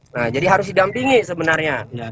nah jadi harus didampingi sebenarnya